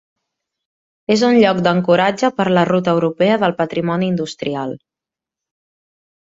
És un lloc d'ancoratge per a la Ruta europea del patrimoni industrial.